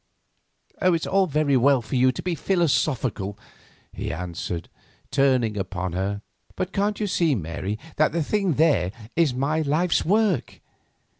"It is all very well for you to be philosophical," he answered, turning upon her; "but can't you see, Mary, that the thing there is my life's work?